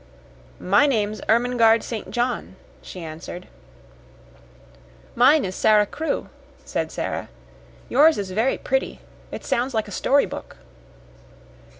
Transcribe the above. "My name's Ermengarde St. John," she answered. "Mine is Sara Crewe," said Sara. "Yours is very pretty. It sounds like a story book."